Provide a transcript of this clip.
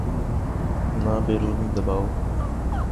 نہ بیرونی دباؤ۔